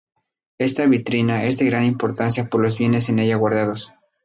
Esta vitrina es de gran importancia por los bienes en ella guardados.